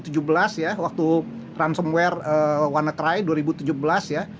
itu sudah kita alami dua ribu tujuh belas ya waktu ransomware wannacry dua ribu tujuh belas ya